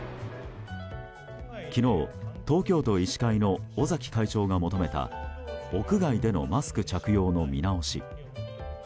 昨日、東京都医師会の尾崎会長が求めた屋外でのマスク着用の見直し。